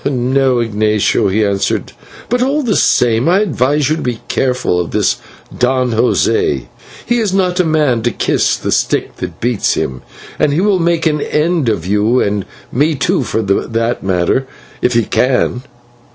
"No, Ignatio," he answered; "but all the same I advise you to be careful of this Don José. He is not a man to kiss the stick that beats him, and he will make an end of you, and me too for the matter of that, if he can."